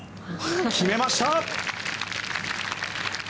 決めました！